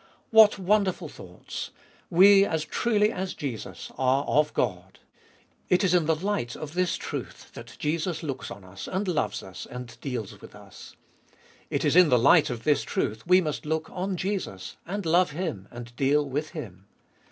What wonderful thoughts ! We, as truly as Jesus, are of God ! It is in the light of this truth that Jesus looks on us, and loves us, and deals with us ! It is in the light of this truth we must look on Jesus, and love Him, and deal with Him.